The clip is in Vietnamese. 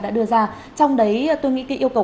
đã đưa ra trong đấy tôi nghĩ cái yêu cầu